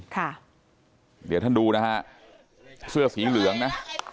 ค่ะเดี๋ยวท่านดูนะฮะเสื้อสีเหลืองนะ